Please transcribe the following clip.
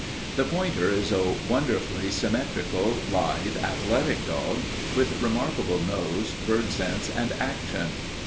"The pointer is a wonderfully symmetrical, lithe, athletic dog, with remarkable nose, bird sense, and action.